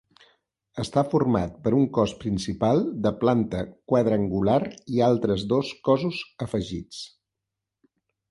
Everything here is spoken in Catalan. Està format per un cos principal de planta quadrangular i altres dos cossos afegits.